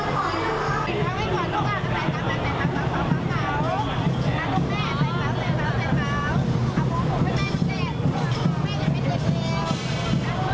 สำรวจการท่านทำร่างเจ็บของที่ได้เลยจ้า